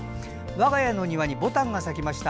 我が家の庭にぼたんが咲きました。